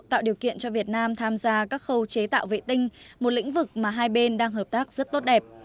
tạo điều kiện cho việt nam tham gia các khâu chế tạo vệ tinh một lĩnh vực mà hai bên đang hợp tác rất tốt đẹp